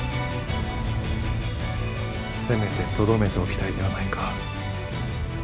せめてとどめておきたいではないか。